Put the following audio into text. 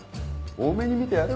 大目に見てやれ。